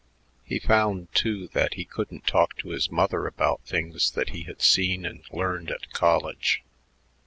He found, too, that he couldn't talk to his mother about things that he had seen and learned at college.